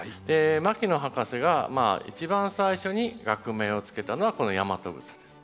牧野博士が一番最初に学名を付けたのはこのヤマトグサです。